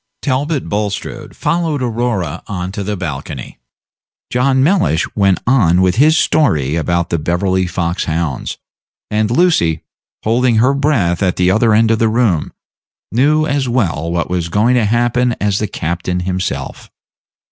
Talbot Bulstrode followed Aurora on to the balcony; John Mellish went on with his story about the Beverly fox hounds; and Lucy, holding her breath at the other end of the room, knew as well what was going to happen as the captain himself.